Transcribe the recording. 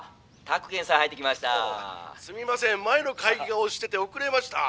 「すみません前の会議が押してて遅れました」。